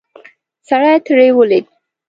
سړی ترې ولوېد.